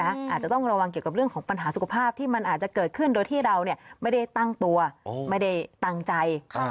อาจจะต้องระวังเกี่ยวกับเรื่องของปัญหาสุขภาพที่มันอาจจะเกิดขึ้นโดยที่เราไม่ได้ตั้งตัวไม่ได้ตั้งใจ